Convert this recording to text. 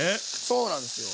そうなんですよ。